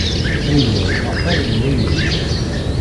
Ayla-w axir n wayla-k.